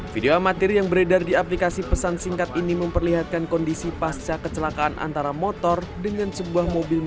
video amatir yang beredar di aplikasi pesan singkat ini memperlihatkan kondisi pasca kecelakaan antara motor dengan sebuah mobil